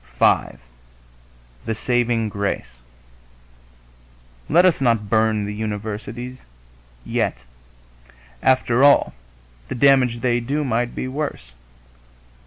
V THE SAVING GRACE Let us not burn the universities yet. After all, the damage they do might be worse....